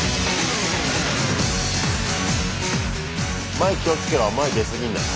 前気をつけろ前出過ぎんなよ。